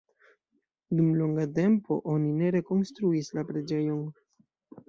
Dum longa tempo oni ne rekonstruis la preĝejon.